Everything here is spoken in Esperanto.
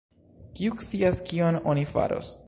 kiu scias, kion oni faros?